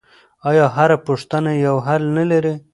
آیا هره پوښتنه یو حل نه لري؟